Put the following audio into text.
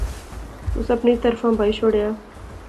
تُس اپنی طرفاں بائی شوڑیا